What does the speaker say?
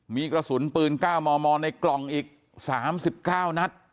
มีกระสุนปืน๙มมในกล่องอีก๓๙นัด